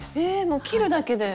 もう切るだけで？